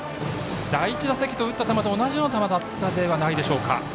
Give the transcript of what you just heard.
第１打席で打った球と同じような球だったんじゃないでしょうか。